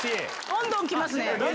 どんどん来ますね。